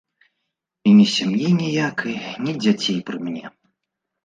І ні сям'і ніякай, ні дзяцей пры мне.